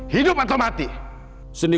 hidup atau mati